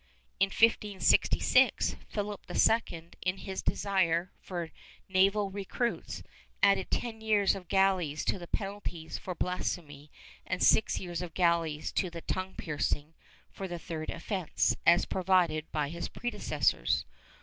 In 1566, Philip II in his desire for naval recruits, added ten years of galleys to the penalties for blasphemy and six years of galleys to the tongue piercing for the third offence, as provided by his predecessors.